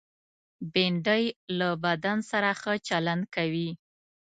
بېنډۍ له بدن سره ښه چلند کوي